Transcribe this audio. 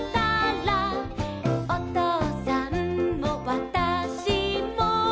「おとうさんもわたしも」